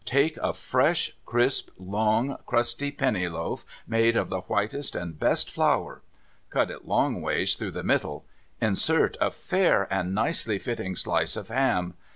' Take a fresh, crisp, long, crusty penny loaf made of the whitest and best flour! Cut it longwise through the middle. Insert a fair and nicely fitting slice of ham.